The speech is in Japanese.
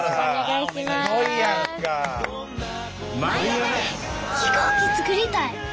飛行機作りたい！